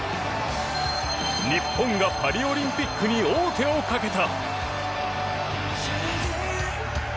日本がパリオリンピックに王手をかけた！